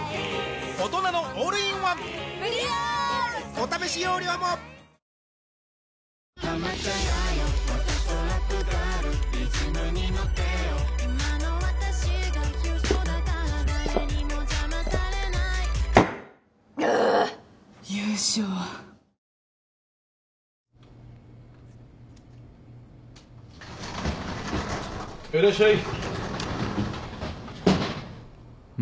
お試し容量もいらっしゃい。